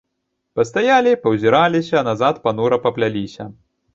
Пастаялі, паўзіраліся, назад панура папляліся.